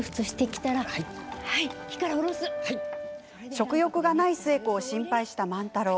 食欲がない寿恵子を心配した万太郎。